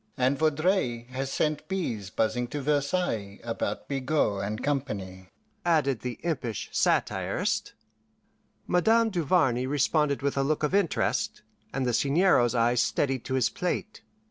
"And Vaudreuil has sent bees buzzing to Versailles about Bigot and Company," added the impish satirist. Madame Duvarney responded with a look of interest, and the Seigneur's eyes steadied to his plate.